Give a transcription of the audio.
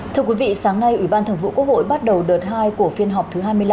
thưa quý vị sáng nay ủy ban thường vụ quốc hội bắt đầu đợt hai của phiên họp thứ hai mươi năm